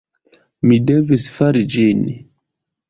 Mi devis fari ĝin.